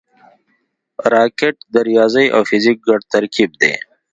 راکټ د ریاضي او فزیک ګډ ترکیب دی